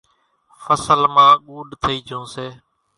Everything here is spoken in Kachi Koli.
ڦصل مان ڳُوڏ ٿئِي جھون سي۔